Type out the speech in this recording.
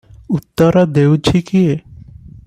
ଉତ୍ତର ଦେଉଛି କିଏ?